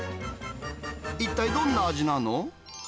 一体どんな味なの？